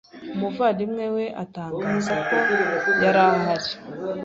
Umuvandimwe we atangaza ko yari hari